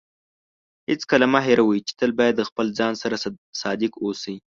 هیڅکله مه هېروئ چې تل باید د خپل ځان سره صادق اوسئ.